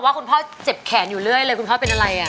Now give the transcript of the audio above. คุณพ่อเจ็บแขนอยู่เรื่อยเลยคุณพ่อเป็นอะไร